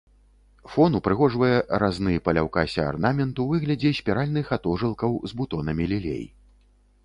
Фон упрыгожвае разны па ляўкасе арнамент у выглядзе спіральных атожылкаў з бутонамі лілей.